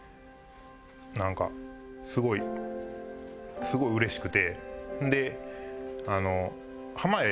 なんかすごいすごいうれしくて。